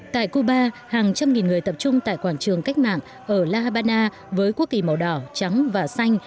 tại cuba hàng trăm nghìn người tập trung tại quảng trường cách mạng ở la habana với quốc kỳ màu đỏ trắng và xanh